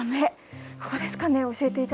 ここですかね？